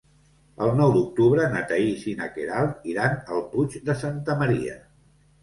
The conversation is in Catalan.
El nou d'octubre na Thaís i na Queralt iran al Puig de Santa Maria.